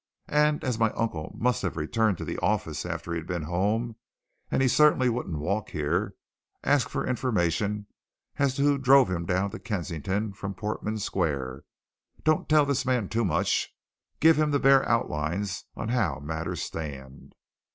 And, as my uncle must have returned to this office after he'd been home, and as he certainly wouldn't walk here, ask for information as to who drove him down to Kensington from Portman Square. Don't tell this man too much give him the bare outlines on how matters stand."